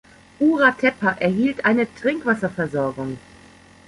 Ura-Teppa erhielt eine Trinkwasserversorgung.